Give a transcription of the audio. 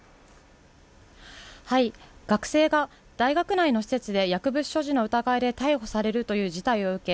学生が大学内の施設で薬物所持の疑いで逮捕されるという事態を受け